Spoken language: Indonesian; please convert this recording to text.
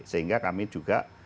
sehingga kami juga